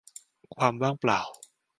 ความว่างเปล่า